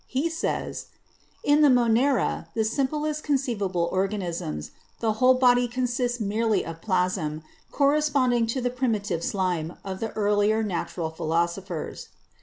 He says : "In the Monera, the simplest conceivable organisms, the whole body con sists merely of plasm, corresponding to the 'primitive slime' of the earlier natural philosophers."